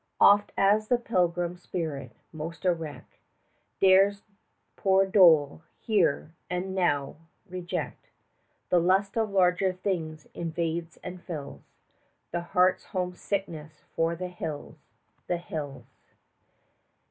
Oft as the pilgrim spirit, most erect, Dares the poor dole of Here and Now reject, 40 The lust of larger things invades and fills The heart's homesickness for the hills, the hills!